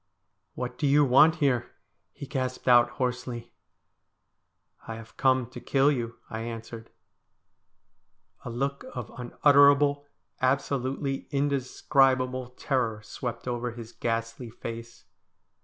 ' What do you want here ?' he gasped out hoarsely. ' I have come to kill you,' I answered. A look of unutterable, absolutely indescribable, terror swept over his ghastly face.